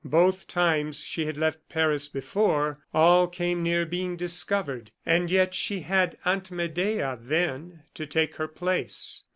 Both times she had left Paris before, all came near being discovered, and yet she had Aunt Medea, then, to take her place.